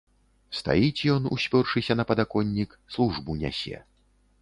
Стаіць ён, успёршыся на падаконнік, службу нясе.